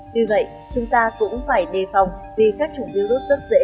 tuy vậy chúng ta cũng phải đề phòng vì các chủng virus rất dễ